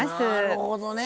なるほどね！